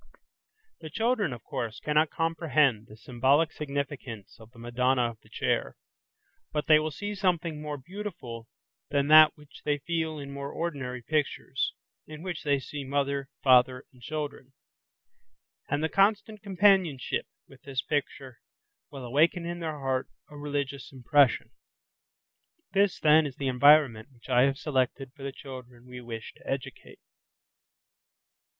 The children, of course, cannot comprehend the symbolic significance of the "Madonna of the Chair", but they will see something more beautiful than that which they feel in more ordinary pictures, in which they see mother, father, and children. And the constant companionship with this picture will awaken in their heart a religious impression. This, then, is the environment which I have selected for the children we wish to educate.